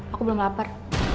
aku belum lapar